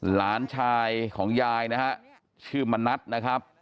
หลานชายของยายนะฮะชื่อมณัฐนะครับ